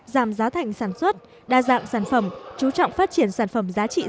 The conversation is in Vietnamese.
giảm giá thành sản xuất đa dạng sản phẩm chú trọng phát triển sản phẩm giá trị giá trị